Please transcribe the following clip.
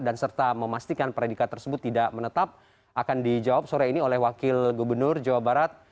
serta memastikan predikat tersebut tidak menetap akan dijawab sore ini oleh wakil gubernur jawa barat